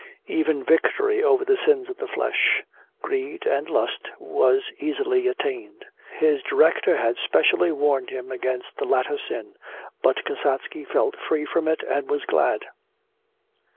Even victory over the sins of the flesh, greed and lust, was easily attained. His director had specially warned him against the latter sin, but Kasatsky felt free from it and was glad.